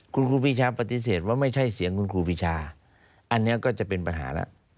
คุณครูปีชาปฏิเสธว่าไม่ใช่เสียงคุณครูปีชาอันนี้ก็จะเป็นปัญหาแล้ว